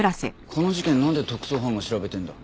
この事件なんで特捜班が調べてんだ？